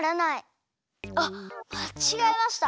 あまちがえました。